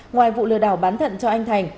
ngoài vụ lừa đảo bán thận cho anh thành